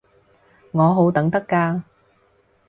我好等得㗎